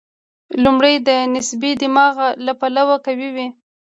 لومړی د نسبتي دماغ له پلوه قوي وي.